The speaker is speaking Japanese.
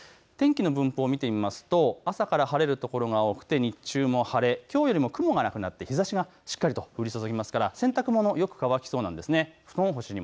分布を見てみますと朝から晴れる所が多くて日中も晴れ、きょうよりも雲がなくなって日ざしがしっかりと降り注ぎますから洗濯物、よく乾きそうなんですね。